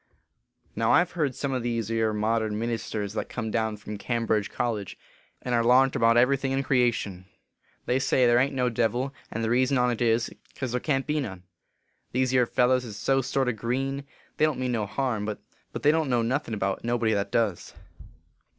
" Now, I ve heerd some o these ere modern min isters that come down from Cambridge college, and are larnt about every thing in creation, they say there ain t no devil, and the reason on t is, cause there can t be none. These ere fellers is so sort o green! they don t mean no harm, but they don t know nothin about nobody that does.